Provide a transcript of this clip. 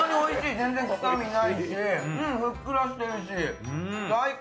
全然臭みないしふっくらしてるし、最高！